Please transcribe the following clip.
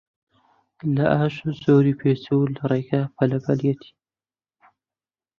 لە ئاش زۆری پێچووە، لە ڕێگا پەلە پەلیەتی